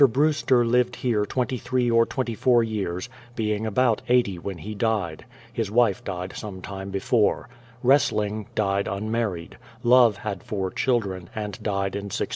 Brewster lived here 23 or 24 years, being about 80 when he died. His wife died some time before. Wrestling died unmarried. Love had four children, and died in 1650.